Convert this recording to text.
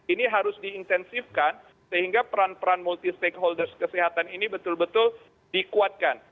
ini harus diintensifkan sehingga peran peran multi stakeholders kesehatan ini betul betul dikuatkan